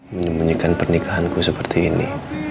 menyembunyikan pernikahanku seperti ini